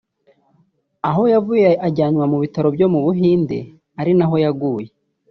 aho yavuye ajyanwa mu bitaro byo mu Buhinde ari naho yaguye